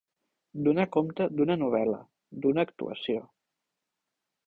Donar compte d'una novel·la, d'una actuació.